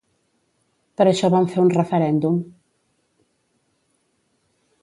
Per això vam fer un referèndum.